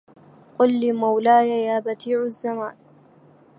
قل لمولاي يا بديع الزمان